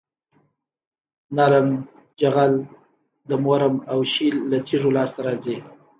نرم جغل د مورم او شیل له تیږو لاسته راځي